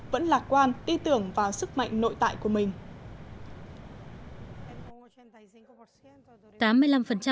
vẫn lạc quan ti tưởng vào sức mạnh nội tại của mình